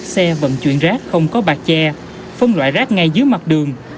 xe vận chuyển rác không có bạc tre phân loại rác ngay dưới mặt đường